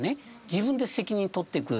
自分で責任取ってく。